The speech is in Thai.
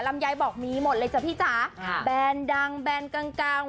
ลำยายบอกมีหมดเลยจ้ะพี่จ๋าฮะแบนดังแบนกลางกลาง